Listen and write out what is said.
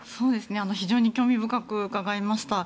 非常に興味深く伺いました。